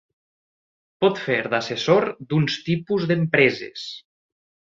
Pot fer d'assessor d'uns tipus d'empreses.